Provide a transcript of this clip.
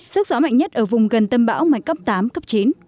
sức gió mạnh nhất ở vùng gần tâm bão mạnh cấp tám cấp chín